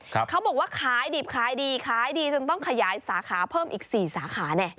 เขาบอกว่าขายดิบขายดีขายดีจนต้องขยายสาขาเพิ่มอีกสี่สาขาเนี่ย